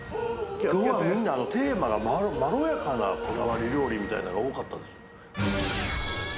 今日はみんなテーマがまろやかなこだわり料理みたいなのが多かったです。